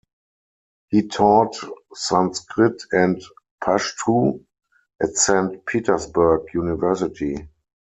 He taught Sanskrit and Pashtu at Saint Petersburg University.